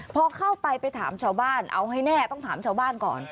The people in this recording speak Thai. พอเข้าไปไปถามชาวบ้านเอาให้แน่ต้องถามชาวบ้านก่อน